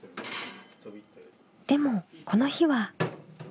でもこの日は。